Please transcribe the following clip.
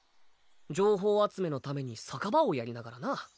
情報集めのために酒場をやりながらな。